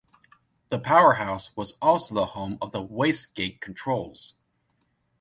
The powerhouse was also the home of the waste gate controls.